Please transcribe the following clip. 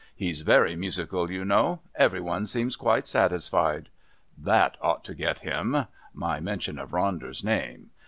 He's very musical, you know. Every one seems quite satisfied." That ought to get him my mention of Ronder's name....